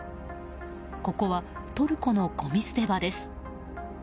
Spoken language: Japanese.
ここはトルコのごみ捨て場です。